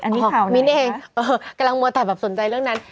อันนี้ข่าวไหนครับมิ้นเองเออเกลงมอตัดแบบสนใจเรื่องนั้น